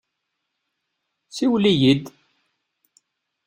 Siwel-iyi-d!